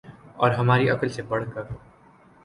اور ہماری عقل سے بڑھ کر